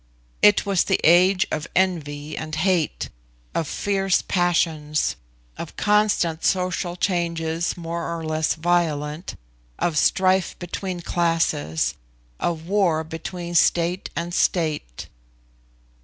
It was the age of envy and hate, of fierce passions, of constant social changes more or less violent, of strife between classes, of war between state and state.